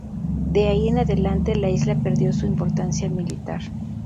De ahí en adelante, la isla perdió su importancia militar.